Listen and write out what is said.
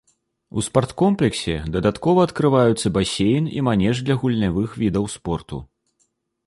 У спарткомплексе дадаткова адкрываюцца басейн і манеж для гульнявых відаў спорту.